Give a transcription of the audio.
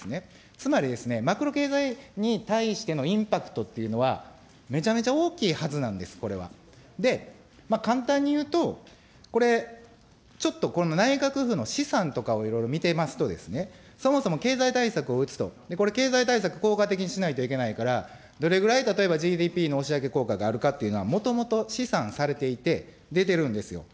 つまりですね、マクロ経済に対してのインパクトっていうのは、めちゃめちゃ大きいはずなんです、これは。で、簡単に言うと、これ、ちょっとこの内閣府の試算とかをいろいろ見てますとですね、そもそも、経済対策を打つと、これ、経済対策、効果的にしないといけないから、どれぐらい例えば、ＧＤＰの押し上げ効果があるかっていうのは、もともと試算されていて、出てるんですよ。